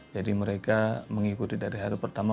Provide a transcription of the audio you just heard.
jadi mereka mengikuti dari hari pertama